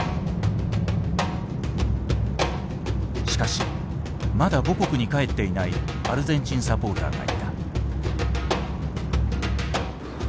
しかしまだ母国に帰っていないアルゼンチンサポーターがいた。